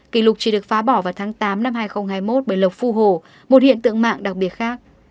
kỷ lục chỉ được phá bỏ vào tháng tám năm hai nghìn hai mươi một bởi lộc phu hồ một hiện tượng mạng đặc biệt khác